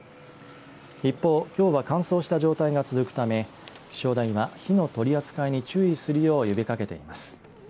一方、きょうは乾燥した状態が続くため気象台は火の取り扱いに注意するよう呼びかけています。